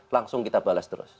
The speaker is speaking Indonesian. langsung kita balas terus